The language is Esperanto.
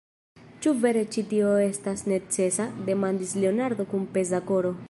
Ĉu vere ĉio ĉi tio estas necesa? demandis Leonardo kun peza koro.